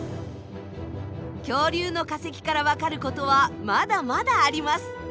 恐竜の化石からわかることはまだまだあります。